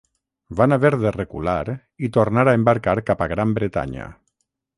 Van haver de recular i tornar a embarcar cap a Gran Bretanya.